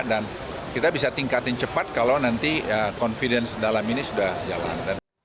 kita bisa tingkatin cepat kalau nanti confidence dalam ini sudah jalan